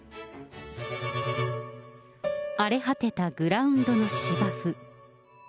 荒れ果てたグラウンドの芝生。